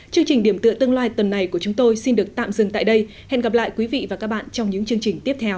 chương trình điểm tựa tương lai tuần này của chúng tôi xin được tạm dừng tại đây hẹn gặp lại quý vị và các bạn trong những chương trình tiếp theo